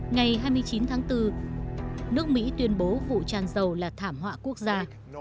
ngày hai mươi chín tháng bốn nước mỹ tuyên bố vụ tràn dầu là thảm họa quốc gia